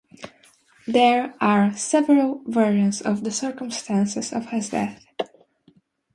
There are several versions of the circumstances of his death.